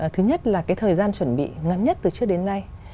thứ nhất là cái thời gian chuẩn bị ngắn nhất từ trước đến nay